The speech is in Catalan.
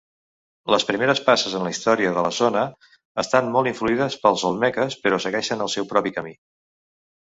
Les primeres passes en la història de la zona estan molt influïdes pels olmeques, però segueixen el seu propi camí.